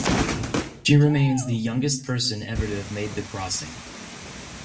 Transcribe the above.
She remains the youngest person ever to have made the crossing.